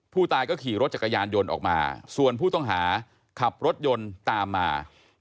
ผู้ตายก็ขี่รถจากกระยานยนต์ออกมา